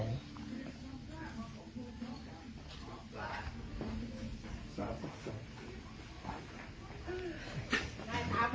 มี